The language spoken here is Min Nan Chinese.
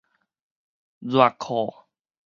熱褲